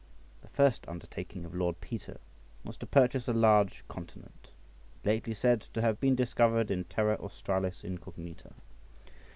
The first undertaking of Lord Peter was to purchase a large continent, lately said to have been discovered in Terra Australis incognita.